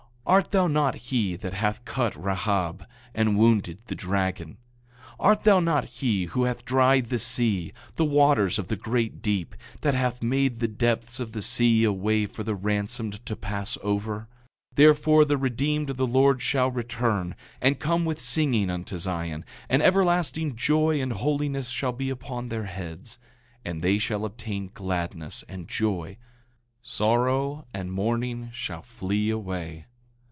Art thou not he that hath cut Rahab, and wounded the dragon? 8:10 Art thou not he who hath dried the sea, the waters of the great deep; that hath made the depths of the sea a way for the ransomed to pass over? 8:11 Therefore, the redeemed of the Lord shall return, and come with singing unto Zion; and everlasting joy and holiness shall be upon their heads; and they shall obtain gladness and joy; sorrow and mourning shall flee away.